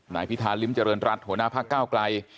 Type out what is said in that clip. นายพิธาลิพจรรย์รัฐหัวหน้าภักร์เก้าไกล